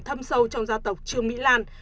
thâm sâu trong gia tộc trương mỹ lan